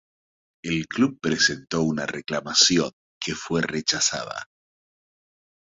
El club presentó una reclamación, que fue rechazada.